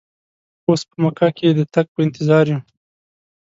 اوس په مکه کې د تګ په انتظار یو.